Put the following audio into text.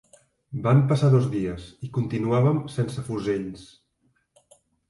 Van passar dos dies, i continuàvem sense fusells.